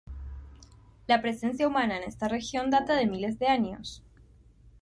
La presencia humana en esta región data de miles de años.